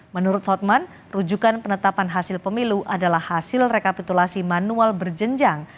menurut hotman rujukan penetapan hasil pemilu adalah hasil rekapitulasi manual berjenjang